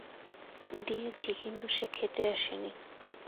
দিয়েছি কিন্তু সে খেতে আসেনি।